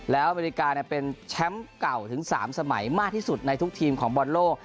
แล้วอเมริกาเป็นแชมป์เก่าถึง๓สมัยมากที่สุดในทุกทีมของบอลโลก